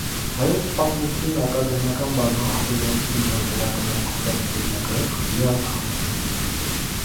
«Հայոց պատմություն» ակադեմիական բազմահատորյակի նոր հրատարակության հեղինակային խմբի անդամ է։